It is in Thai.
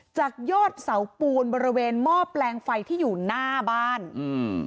จากยอดเสาปูนบริเวณหม้อแปลงไฟที่อยู่หน้าบ้านอืม